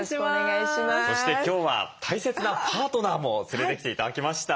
そして今日は大切なパートナーも連れてきて頂きました。